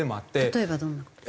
例えばどんな事？